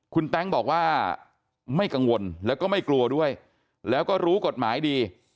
คุณแต๊งบอกว่าไม่กังวลแล้วก็ไม่กลัวด้วยแล้วก็รู้กฎหมายดี